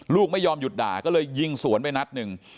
ลูกไม่ยอมหยุดด่าก็เลยยิงสวนไปนัดหนึ่ง